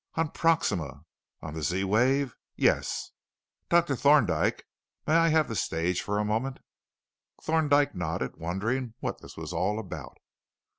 "On Proxima." "On the Z wave?" "Yes." "Doctor Thorndyke, may I have the stage for a moment?" Thorndyke nodded, wondering what this was all about.